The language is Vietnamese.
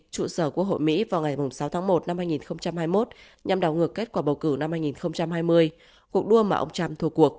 trụ sở của hội mỹ vào ngày sáu tháng một năm hai nghìn hai mươi một nhằm đảo ngược kết quả bầu cử năm hai nghìn hai mươi